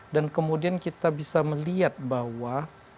dan kemudian kita bisa melihat bahwa